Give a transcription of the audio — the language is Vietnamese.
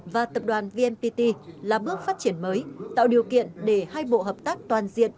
và tập đoàn vnpt là bước phát triển mới tạo điều kiện để hai bộ hợp tác toàn diện